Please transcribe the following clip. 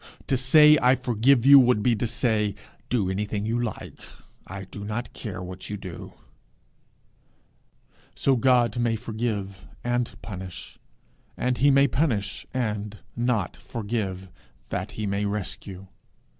To say, I forgive you, would be to say, Do anything you like; I do not care what you do.' So God may forgive and punish; and he may punish and not forgive, that he may rescue.